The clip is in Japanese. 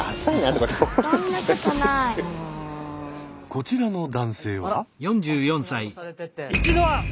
こちらの男性は。